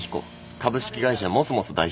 株式会社モスモス代表。